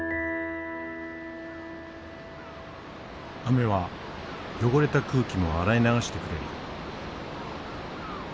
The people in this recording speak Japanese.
雨は汚れた空気も洗い流してくれる。